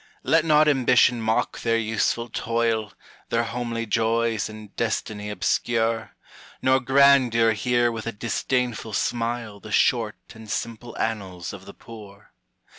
Let not ambition mock their useful toil, Their homely joys, and destiny obscure; Nor grandeur hear with a disdainful smile The short and simple annals of the poor.